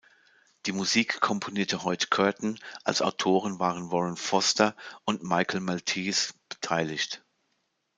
Die Musik komponierte Hoyt Curtin, als Autoren waren Warren Foster und Michael Maltese beteiligt.